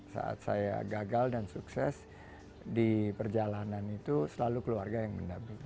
saat saya gagal dan sukses di perjalanan itu selalu keluarga yang mendamping